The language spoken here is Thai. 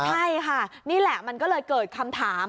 ใช่ค่ะนี่แหละมันก็เลยเกิดคำถาม